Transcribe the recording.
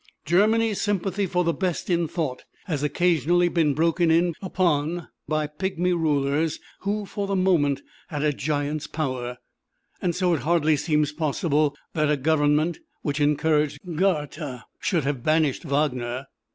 Germany's sympathy for the best in thought has occasionally been broken in upon by pigmy rulers, who, for the moment, had a giant's power, so it seems hardly possible that a government which encouraged Goethe should have banished Wagner.